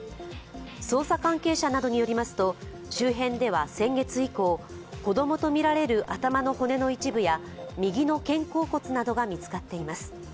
捜査関係者などによりますと周辺では先月以降子供とみられる頭の骨の一部や右の肩甲骨などが見つかっています。